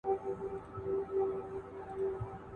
هغه څېړونکی چي تجربه لري ښه لیکنه کوي.